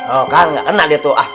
oh kan gak kena gitu ah